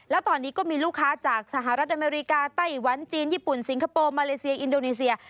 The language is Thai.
แล้วตอนนี้ก็มีลูกค้าจากสหรัฐอเมริกาไต้หวันจีนญี่ปุ่นสิงคโปร์มาเลเซียอินโดนีเซีย